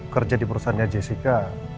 kerja di perusahaan nya jessica